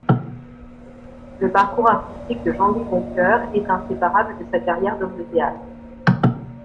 Le parcours artistique de Jean-Louis Boncœur est inséparable de sa carrière d'homme de théâtre.